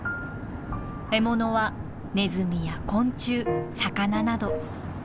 獲物はネズミや昆虫魚など。